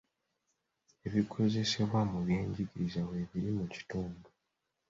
Ebikozesebwa mu byenjigiriza weebiri mu kitundu.